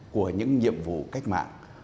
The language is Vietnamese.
của những nhiệm vụ cách mạng